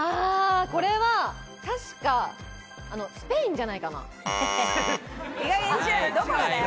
これは確か、スペインじゃないかな？